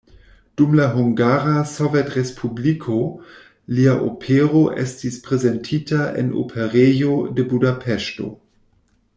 Dum la Hungara Sovetrespubliko lia opero estis prezentita en Operejo de Budapeŝto.